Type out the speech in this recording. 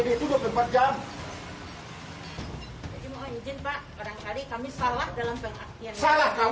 jadi mohon izin pak orang kali kami salah dalam pengakiannya